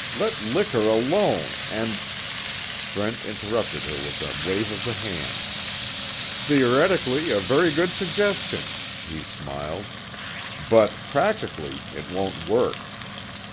Let liquor alone, and " Brent interrupted her with a wave of the hand: "Theoretically a very good suggestion," he smiled, "But, practically it won't work.